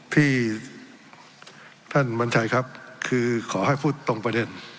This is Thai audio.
ที่ท่านวัญชัยครับคือขอให้พูดตรงประเด็น